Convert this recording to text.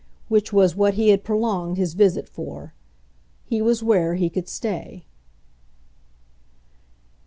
Which was what he had prolonged his visit for. He was where he could stay.